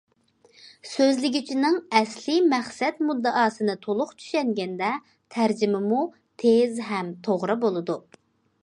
سۆزلىگۈچىنىڭ ئەسلىي مەقسەت، مۇددىئاسىنى تولۇق چۈشەنگەندە تەرجىمىمۇ تېز ھەم توغرا بولىدۇ.